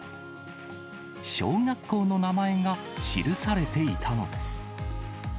小学校の名前が記されていたのです。